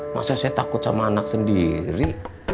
maksudnya saya takut sama anak sendiri